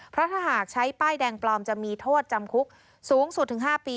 เพราะถ้าหากใช้ป้ายแดงปลอมจะมีโทษจำคุกสูงสุดถึง๕ปี